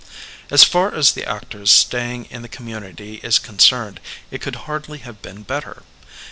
As far as the actor's standing in the community is concerned it could hardly have been better.